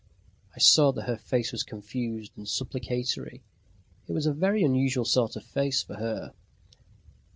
I saw that her face was confused and supplicatory... It was a very unusual sort of face for her.